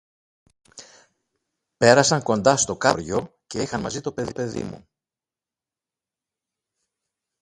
Πέρασαν κοντά στο Κάτω Χωριό, και είχαν μαζί το παιδί μου